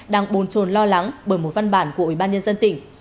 đang bồn trồn lo lắng bởi một văn bản của ủy ban nhân dân tỉnh